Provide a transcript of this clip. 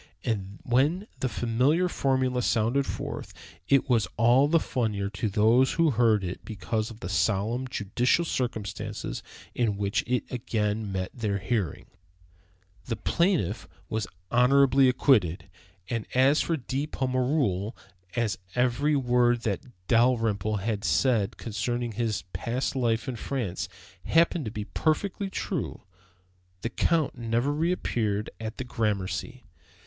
And when the familiar formula sounded forth, it was all the funnier to those who heard it because of the solemn, judicial circumstances in which it again met their hearing. The plaintiff was honorably acquitted. As for De Pommereul, as every word that Dalrymple had said concerning his past life in France happened to be perfectly true, the Count never reappeared at the Gramercy.